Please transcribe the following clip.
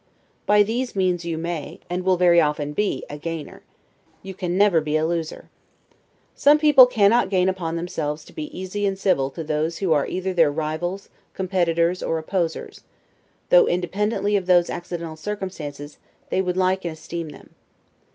By these means you may, and will very often be a gainer: you never can be a loser. Some people cannot gain upon themselves to be easy and civil to those who are either their rivals, competitors, or opposers, though, independently of those accidental circumstances, they would like and esteem them.